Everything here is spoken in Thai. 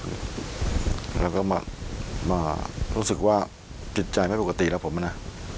เราก็รู้สึกว่าเป็นกิจใจไม่ปกติครับผมนะ